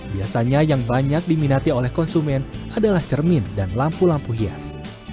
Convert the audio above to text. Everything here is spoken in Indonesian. biasanya yang banyak diminati oleh konsumen adalah cermin dan lampu lampu hias